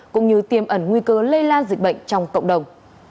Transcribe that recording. cũng như tiêm ẩn nguy cơ lây lan dịch bệnh trong cộng đồng